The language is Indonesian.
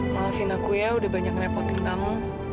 maafin aku ya udah banyak repotin tamu